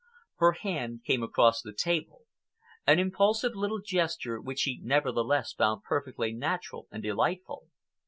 Her hand came across the table—an impulsive little gesture, which he nevertheless found perfectly natural and delightful.